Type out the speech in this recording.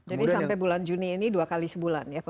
jadi sampai bulan juni ini dua kali sebulan ya